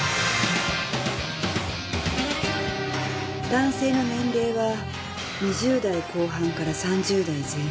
男性の年齢は２０代後半から３０代前半。